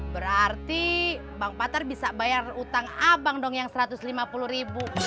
berarti bang pater bisa bayar utang abang dong yang satu ratus lima puluh ribu